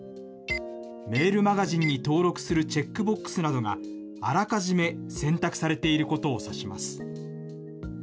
メールマガジンに登録するチェックボックスなどがあらかじめ選択されていることを指します。